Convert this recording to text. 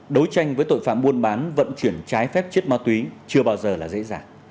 đấu tranh với tội phạm buôn bán vận chuyển trái phép chất ma túy chưa bao giờ là dễ dàng